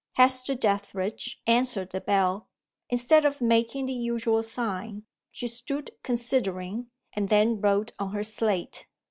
Hester Dethridge answered the bell. Instead of making the usual sign, she stood considering and then wrote on her slate.